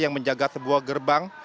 yang menjaga sebuah gerbang